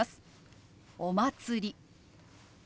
「お祭り」。